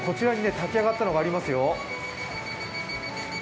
炊き上がったのがありますよ。